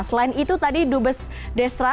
selain itu tadi dut besar desra